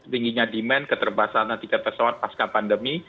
tingginya demand keterbatasan tiket pesawat pasca pandemi